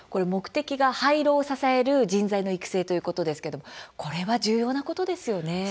目的が廃炉を支える人材の育成ということですがこれは重要なことですよね。